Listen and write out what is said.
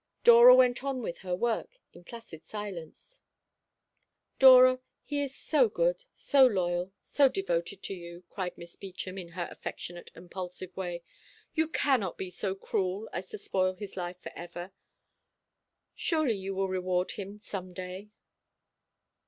Dora went on with her work in placid silence. "Dora, he is so good, so loyal, so devoted to you," cried Miss Beauchamp, in her affectionate impulsive way. "You cannot be so cruel as to spoil his life for ever. Surely you will reward him some day."